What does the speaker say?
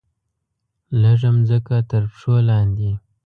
لږه مځکه ترپښو لاندې